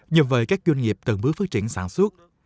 nhưng với các doanh nghiệp từng bước phát triển sản xuất